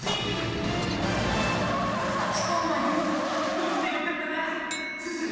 無事でよかったなすず。